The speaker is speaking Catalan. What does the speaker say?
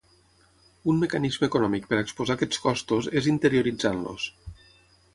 Un mecanisme econòmic per exposar aquests costos és interioritzant-los.